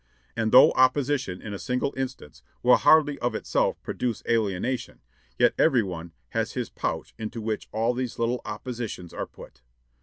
And though opposition in a single instance will hardly of itself produce alienation, yet every one has his pouch into which all these little oppositions are put.